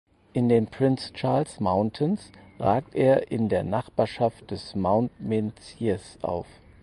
In den Prince Charles Mountains ragt er in der Nachbarschaft des Mount Menzies auf.